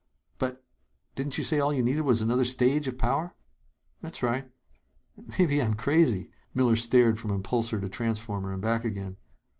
"But Didn't you say all you needed was another stage of power?" "That's right." "Maybe I'm crazy!" Miller stared from impulsor to transformer and back again.